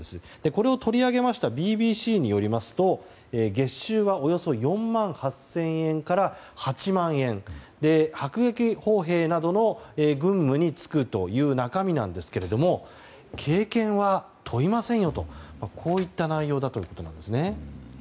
これを取り上げましたＢＢＣによりますと月収はおよそ４万８０００円から８万円迫撃砲兵などの軍務に就くという中身なんですが経験は問いませんよとこういった内容だということなんですね。